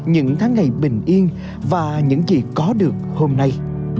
những tháng ngày bình yên và những gì có được hôm nay